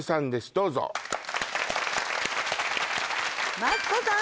どうぞマツコさん